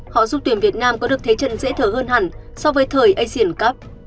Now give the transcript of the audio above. họ giúp tuyển việt nam có được thế trận dễ thở hơn hẳn so với thời asian cup